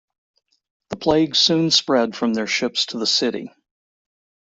The plague soon spread from their ships to the city.